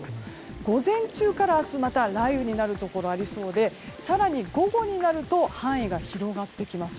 午前中から明日また雷雨になるところありそうで更に午後になると範囲が広がってきます。